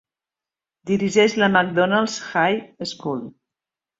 Dirigeix la Macdonald High School.